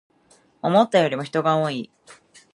思ったよりも人が多い